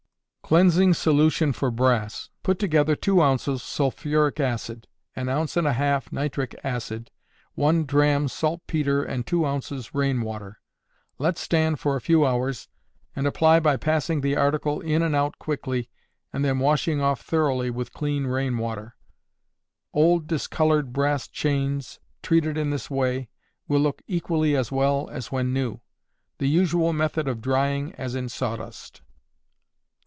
Cleansing Solution for Brass. Put together two ounces sulphuric acid, an ounce and a half nitric acid, one dram saltpetre and two ounces rain water. Let stand for a few hours, and apply by passing the article in and out quickly, and then washing off thoroughly with clean rain water. Old, discolored brass chains treated in this way will look equally as well as when new. The usual method of drying as in sawdust.